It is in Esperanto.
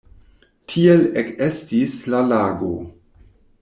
Tiel ekestis la lago.